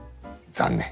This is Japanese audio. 残念。